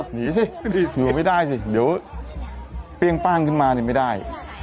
หนีสิเสือไม่ได้สิเดี๋ยวเปรี้ยงป้างขึ้นมานี่ไม่ได้